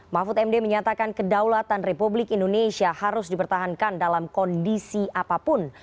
mahfud md menyatakan kedaulatan republik indonesia harus dipertahankan dalam kondisi apapun